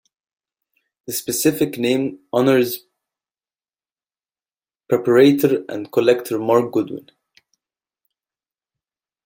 The specific name honours preparator and collector Mark Goodwin.